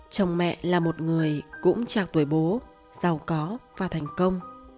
chồng mẹ là một người cũng trao tuổi bố giàu có và thành công